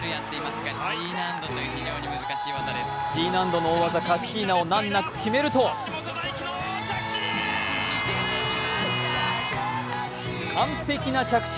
Ｇ難度の大技、カッシーナを難なく決めると完璧な着地。